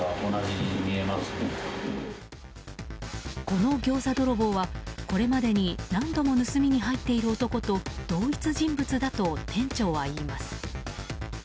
このギョーザ泥棒はこれまでに何度も盗みに入っている男と同一人物だと店長は言います。